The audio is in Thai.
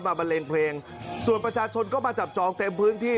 บันเลงเพลงส่วนประชาชนก็มาจับจองเต็มพื้นที่